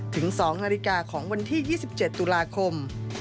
ถึง๒นาฬิกาของวันที่๒๗ตุลาคม